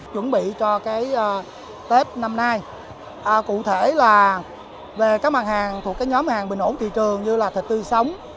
chuẩn bị cho tết năm nay cụ thể là về các mặt hàng thuộc nhóm hàng bình ổn thị trường như thịt tư sống